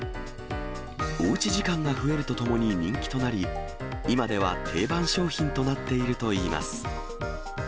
おうち時間が増えるとともに、人気となり、今では定番商品となっているといいます。